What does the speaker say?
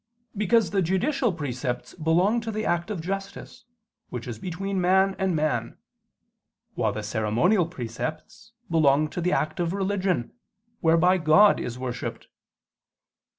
Because the judicial precepts belong to the act of justice, which is between man and man; while the ceremonial precepts belong to the act of religion, whereby God is worshipped.